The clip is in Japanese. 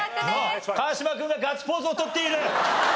川島君がガッツポーズをとっている！